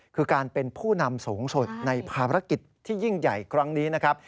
คือการเป็นผู้นำสูงสุดในภารกิจที่ยิ่งใหญ่ครั้งนี้นะครับ